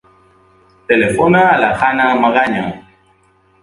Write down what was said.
Telefona a la Hannah Magaña.